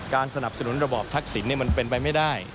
สนับสนุนระบอทักษิณมันเป็นไปไม่ได้